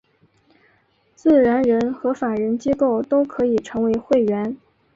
自然人和法人机构都可以成为会员。